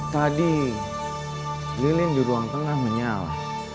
tadi lilin di ruang tengah menyala